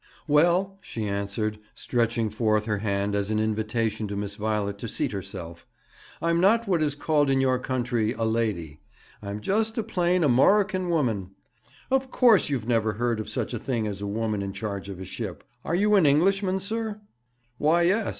'Well,' she answered, stretching forth her hand as an invitation to Miss Violet to seat herself, 'I'm not what is called in your country a lady. I'm just a plain Amurrican woman. Of course you've never heard of such a thing as a woman in charge of a ship. Are you an Englishman, sir?' 'Why, yes.